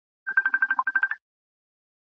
لیکوالان له ټولنیزو مسایلو خبر وو.